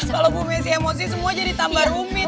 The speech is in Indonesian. kalau bu messi emosi semua jadi tambar umit